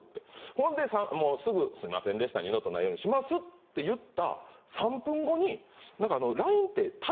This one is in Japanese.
ほんでもうすぐすいませんでした二度とないようにしますって言った３分後に何かＬＩＮＥって。